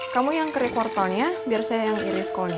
kamu yang kerik wortelnya biar saya yang iris kolnya